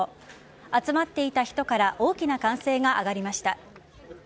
集まっていた人から大きな歓声が上がりました。